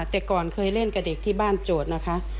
แต่ก่อนเคยเล่นกับเด็กที่บ้านโจทย์นะคะ